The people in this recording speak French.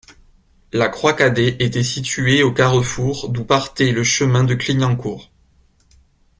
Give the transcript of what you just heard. La Croix Cadet était située au carrefour d'où partait le chemin de Clignancourt.